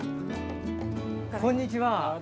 こんにちは。